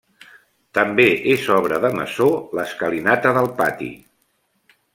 També és obra de Masó, l'escalinata del pati.